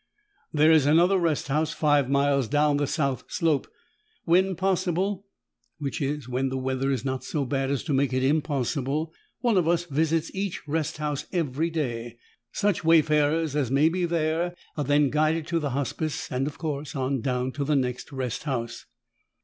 There is another rest house five miles down the south slope. When possible, which is when the weather is not so bad as to make it impossible, one of us visits each rest house every day. Such wayfarers as may be there are then guided to the Hospice and, of course, on down to the next rest house."